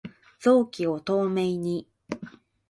臓器を透明に